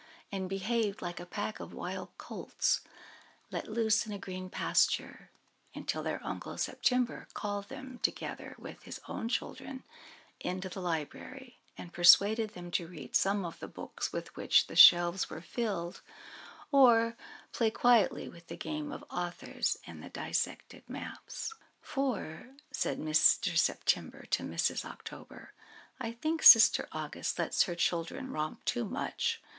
and behaved like a pack of wild colts let loose in a green pasture, until their Uncle September called them, together with his own children, into the library, and persuaded them to read some of the books with which the shelves were filled, or play quietly with the game of Authors and the Dissected Maps. "For," said Mr. September to Mrs. October, "I think Sister August lets her children romp too much.